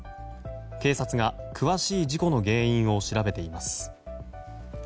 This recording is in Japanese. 警察が詳しい事故の原因を調べています。